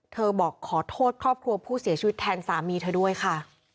บอกขอโทษครอบครัวผู้เสียชีวิตแทนสามีเธอด้วยค่ะ